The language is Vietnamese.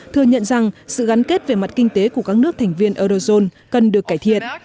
thừa nhận rằng sự gắn kết về mặt kinh tế của các nước thành viên eurozone cần được cải thiện